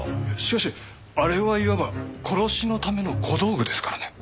しかしあれはいわば殺しのための小道具ですからね。